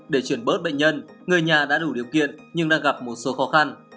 để chuyển bớt bệnh nhân người nhà đã đủ điều kiện nhưng đã gặp một số khó khăn